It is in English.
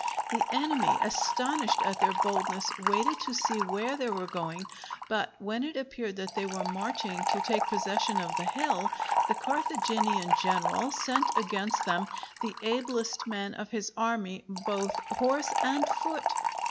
The enemy, astonished at their boldness, waited to see where they were going; but when it appeared that they were marching to take possession of the hill, the Carthaginian general sent against them the ablest men of his army, both horse and foot.